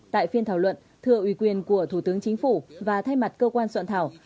tại phiên thảo luận thưa ủy quyền của thủ tướng chính phủ và thay mặt cơ quan soạn thảo